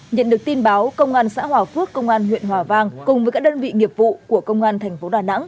nhận được tin báo công an xã hòa phước công an huyện hòa vang cùng với các đơn vị nghiệp vụ của công an thành phố đà nẵng